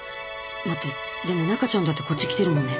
待ってでも中ちゃんだってこっち来てるもんね。